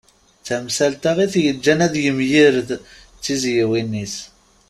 D tamsalt-a i t-yeǧǧan ad yemgired d tiziwin-is.